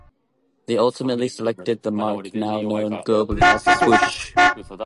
They ultimately selected the mark now known globally as the Swoosh.